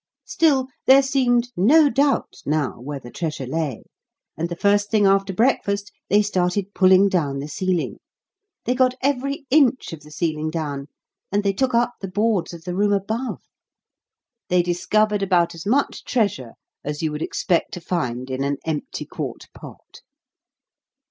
Still, there seemed no doubt now where the treasure lay, and the first thing after breakfast they started pulling down the ceiling. They got every inch of the ceiling down, and they took up the boards of the room above. They discovered about as much treasure as you would expect to find in an empty quart pot.